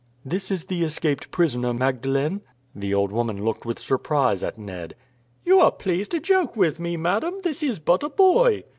"This is the escaped prisoner, Magdalene." The old woman looked with surprise at Ned. "You are pleased to joke with me, madam. This is but a boy."